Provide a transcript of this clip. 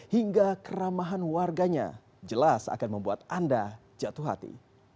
hingga keramahan warganya jelas akan membuat anda jatuh hati